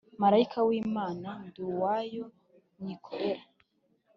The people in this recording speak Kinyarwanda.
Marayika w imana ndi uwayo nyikorera